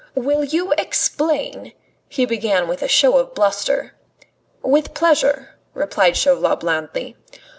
"Will you explain " he began with a show of bluster. "With pleasure," replied Chauvelin blandly.